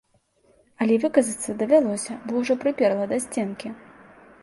Але выказацца давялося, бо ўжо прыперла да сценкі.